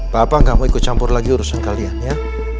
papa gak mau ikut campur lagi urusan kalian ya